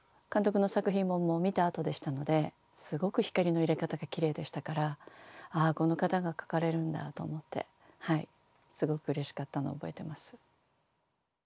監督の作品も見た後でしたのですごく光の入れ方がきれいでしたからああこの方が描かれるんだと思ってはいすごくうれしかったのを覚えてます。